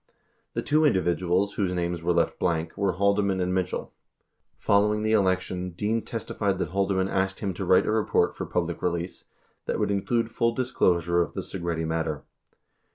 6 The two individuals whose names were left blank were Haldeman and Mitchell. Following the election, Dean testified that Haldeman asked him to write a report for public release that would include full disclosure of the Segretti matter.